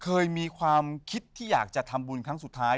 เคยมีความคิดที่อยากจะทำบุญครั้งสุดท้าย